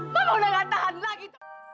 kamu udah gak tahan lagi